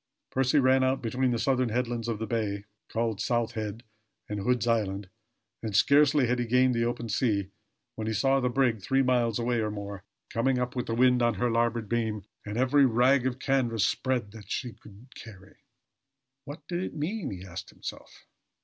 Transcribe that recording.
Percy ran out between the southern headland of the bay, called South Head and Hood's Island, and scarcely had he gained the open sea when he saw the brig three miles away or more, coming up with the wind on her larboard beam and every rag of canvas spread that she could carry. What did it mean? he asked himself.